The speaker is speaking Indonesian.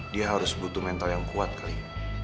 dia harus butuh mental yang kuat kali